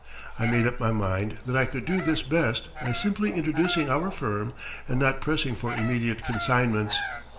I made up my mind that I could do this best by simply introducing our firm, and not pressing for immediate consignments.